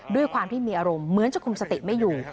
ด้วยความที่มีอารมณ์เหมือนจะคุมสติไม่อยู่